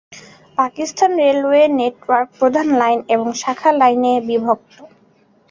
Pakistan railway network প্রধান line এবং শাখা লাইনে বিভক্ত।